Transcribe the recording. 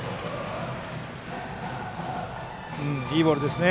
いいボールですね。